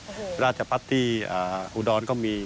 อ่อโฮโอ้โฮอ่าราชภัฐี่ฮูดร้อนก็มี